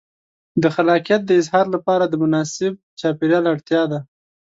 د خلاقیت د اظهار لپاره د مناسب چاپېریال اړتیا ده.